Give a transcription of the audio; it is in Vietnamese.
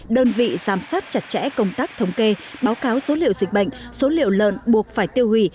đơn vị giám sát chặt chẽ công tác thống kê báo cáo số liệu dịch bệnh số liệu lợn buộc phải tiêu hủy